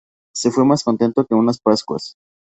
Se fue más contento que unas Pascuas